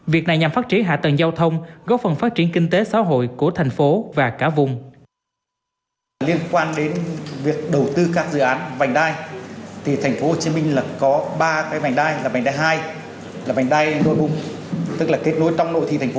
việc này nhằm phát triển hạ tầng giao thông góp phần phát triển kinh tế xã hội của thành phố và cả vùng